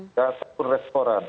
ya ataupun restoran